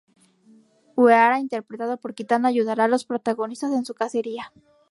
Uehara interpretado por Kitano ayudará a los protagonistas en su cacería.